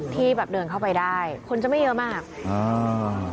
ที่แบบเดินเข้าไปได้คนจะไม่เยอะมากอ่า